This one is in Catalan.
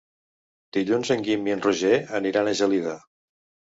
Dilluns en Guim i en Roger aniran a Gelida.